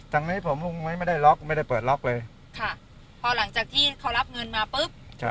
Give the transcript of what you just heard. อย่างนี้ผมลุงไม่ได้ล็อกไม่ได้เปิดล็อกเลยค่ะพอหลังจากที่เขารับเงินมาปุ๊บ